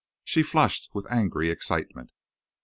She flushed with angry excitement.